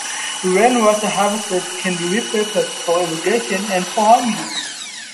Rain water harvested can be repurposed for irrigation and for home use.